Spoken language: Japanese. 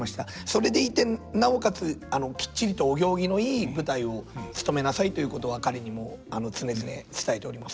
それでいてなおかつきっちりとお行儀のいい舞台をつとめなさいということは彼にも常々伝えております。